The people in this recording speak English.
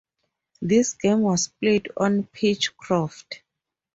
This game was played on Pitchcroft.